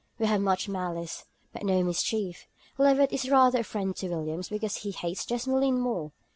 We have much malice, but no mischief. Levett is rather a friend to Williams, because he hates Desmoulins more.